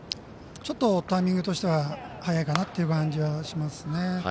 ちょっとタイミングとして早いかなという感じはしますね。